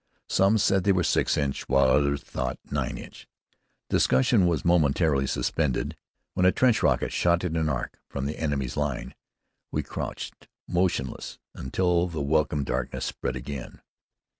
Some said they were six inch, while others thought nine inch. Discussion was momentarily suspended when a trench rocket shot in an arc from the enemy's line. We crouched, motionless, until the welcome darkness spread again.